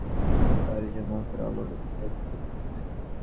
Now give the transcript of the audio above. একপর্যায়ে তাঁরা শিমুলতলা এলাকায় ঢাকা-আরিচা মহাসড়ক অবরোধ করে বিক্ষোভ করতে থাকেন।